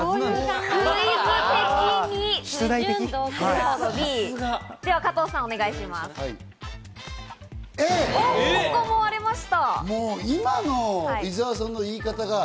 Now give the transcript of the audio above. では加藤さん、お願いします。